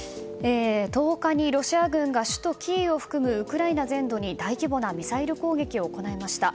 １０日にロシア軍が首都キーウを含むウクライナ全土に大規模なミサイル攻撃を行いました。